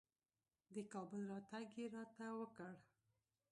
د کابل راتګ یې راته وکړ.